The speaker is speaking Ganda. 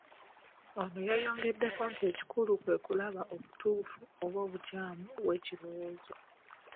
Ono yayongeddeko nti ekikulu kwe kulaba obutuufu oba obukyamu bw'ekirowoozo.